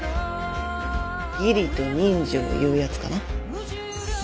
義理と人情いうやつかな。